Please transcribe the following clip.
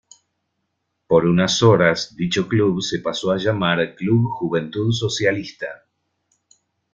Por unas horas dicho club se pasó a llamar Club Juventud Socialista.